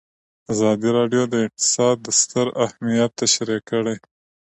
ازادي راډیو د اقتصاد ستر اهميت تشریح کړی.